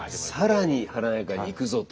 更に華やかに行くぞと。